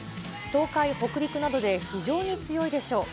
東海、北陸などで非常に強いでしょう。